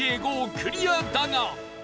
クリアだが